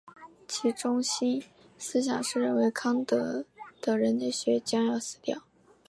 其中心思想是认为康德的人类学将要死掉。